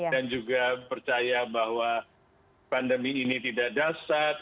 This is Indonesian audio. dan juga percaya bahwa pandemi ini tidak dasar